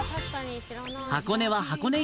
箱根は箱根